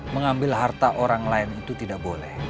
mengambil harta orang lain itu tidak boleh